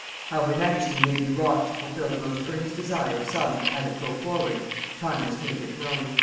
How her majesty may be wrought to fulfil the most earnest desire of some to have it go forward, time must make it known."